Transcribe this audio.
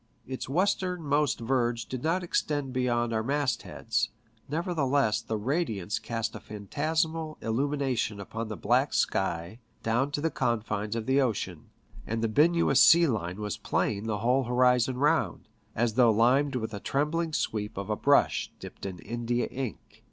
Its western most verge did not extend beyond our mastheads; nevertheless the radiance cast a phantasmal illumina tion upon the black sky down to the confines of the 5 69 FICTUBES AT SEA ocean, and the Binuous sea line was plain the whole horizon round, as though limned with a trembling sweep of a brush dipped in India ink.